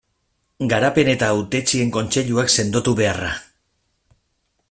Garapen eta Hautetsien kontseiluak sendotu beharra.